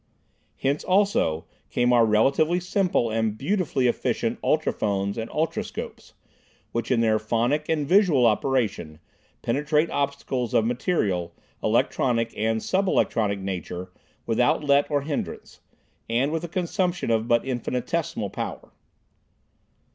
Hence also, come our relatively simple and beautifully efficient ultrophones and ultroscopes, which in their phonic and visual operation penetrate obstacles of material, electronic and sub electronic nature without let or hindrance, and with the consumption of but infinitesimal power.